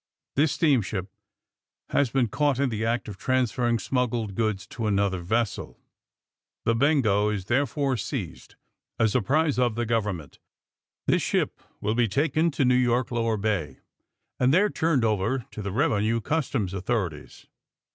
This steam ship has been caught in the act of transferring smuggled goods to another vessel. The 'Bengo' is therefore seized as a prize of the govern ment. This ship will be taken to New York Lower Bay and there turned over to the Eev' enue Customs authorities.